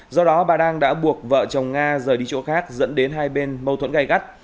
do đó bà đang đã buộc vợ chồng nga rời đi chỗ khác dẫn đến hai bên mâu thuẫn gây gắt